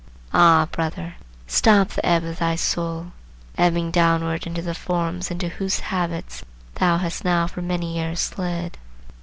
Ah! brother, stop the ebb of thy soul,—ebbing downward into the forms into whose habits thou hast now for many years slid.